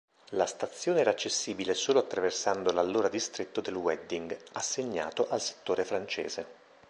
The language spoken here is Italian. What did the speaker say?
La stazione era accessibile solo attraversando l'allora distretto del Wedding, assegnato al settore francese.